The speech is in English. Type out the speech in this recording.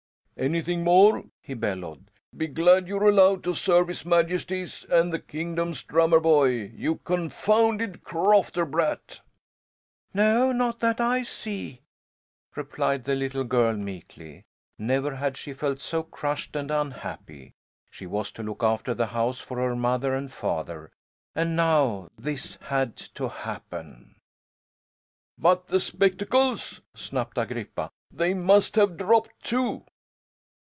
"Anything more!" he bellowed. "Be glad you're allowed to serve His Majesty's and the Kingdom's drummer boy, you confounded crofter brat!" "No, not that I see," replied the little girl meekly. Never had she felt so crushed and unhappy. She was to look after the house for her mother and father, and now this had to happen! "But the spectacles?" snapped Agrippa. "They must have dropped, too?"